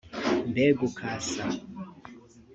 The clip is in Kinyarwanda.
Mbega uko asa